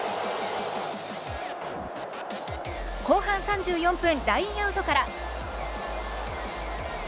後半３４分、ラインアウトから。